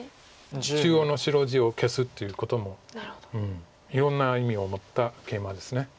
中央の白地を消すっていうこともいろんな意味を持ったケイマです。